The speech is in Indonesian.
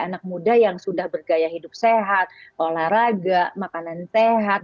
anak muda yang sudah bergaya hidup sehat olahraga makanan sehat